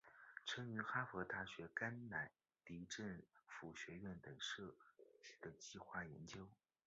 曾于哈佛大学甘乃迪政府学院等计画研究。